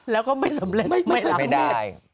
แล้วก็ไม่สำเร็จไม่ได้